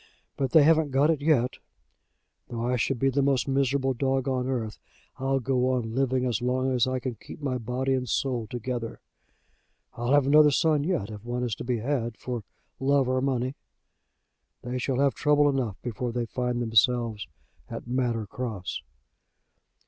But they haven't got it yet. Though I should be the most miserable dog on earth I'll go on living as long as I can keep my body and soul together. I'll have another son yet, if one is to be had for love or money. They shall have trouble enough before they find themselves at Manor Cross."